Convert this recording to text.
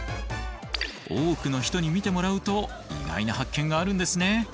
多くの人に見てもらうと意外な発見があるんですね。